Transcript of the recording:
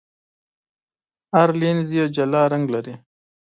هر لینز یې جلا رنګ لري.